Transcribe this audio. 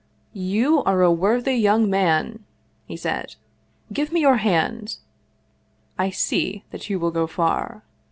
" You are a worthy young man !" he said. " Give me your hand! I see that you will go far."